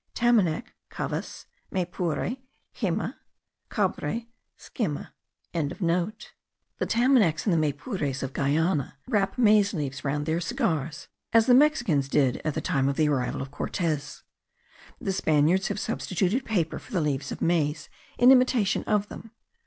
Tamanac; cavas. Maypure; jema. Cabre; scema.) The Tamanacs and the Maypures of Guiana wrap maize leaves round their cigars, as the Mexicans did at the time of the arrival of Cortes. The Spaniards have substituted paper for the leaves of maize in imitation of them.